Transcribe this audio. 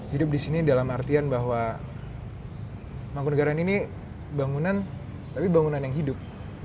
hidup di sini dalam artian bahwa mangkunagaran ini bangunan tapi bangunan yang hidup